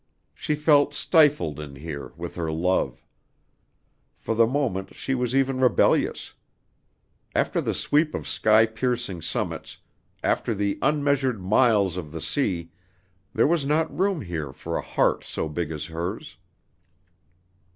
She felt stifled in here with her love. For the moment she was even rebellious. After the sweep of sky piercing summits, after the unmeasured miles of the sea, there was not room here for a heart so big as hers.